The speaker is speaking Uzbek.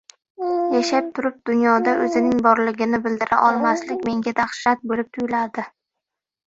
Yashab turib, dunyoda o‘zining borligini bildira olmaslik — menga dahshat bo‘lib tuyuladi.